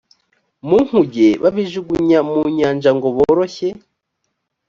mu nkuge babijugunya mu nyanja ngo boroshye